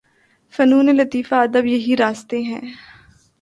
فنون لطیفہ، ادب یہی راستے ہیں۔